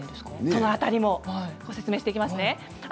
その辺りご説明していきますね。